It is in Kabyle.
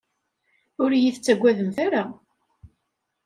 Ur iyi-tettagademt ara.